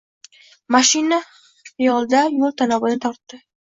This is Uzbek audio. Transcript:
Mashina xiyolda yo‘l tanobini tortdi.